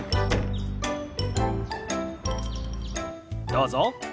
どうぞ。